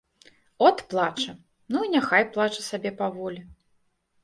От плача, ну і няхай плача сабе паволі.